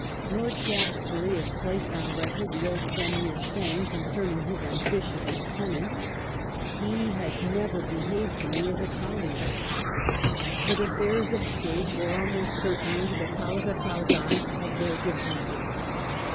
Lord Shaftes bury has placed on record the old Premier's saying concerning his ambitious lieutenant, '^ He has never behaved to me as a colleague." But affairs of State were almost certainly the causa causana of their diffe rences.